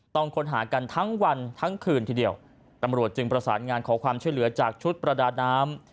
ต้องค้นหากันทั้งวันทั้งคืนทีเดียวตำรวจจึงประสานงานขอความช่วยเหลือจากชุดประดาน้ำ